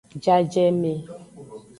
Jajeme.